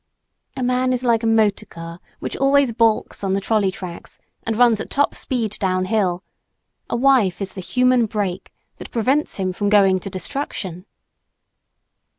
A man is like a motor car which always balks on the trolley tracks and runs at top speed down hill; a wife is the human brake that prevents him from going to destruction.